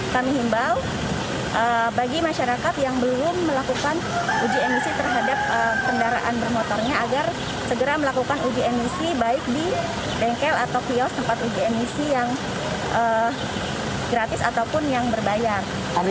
kami himbau bagi masyarakat yang belum melakukan uji emisi terhadap kendaraan bermotornya agar segera melakukan uji emisi baik di bengkel atau kios tempat uji emisi yang gratis ataupun yang berbayar